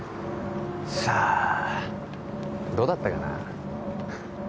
さあどうだったかな